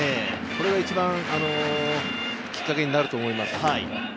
これが一番きっかけになると思います。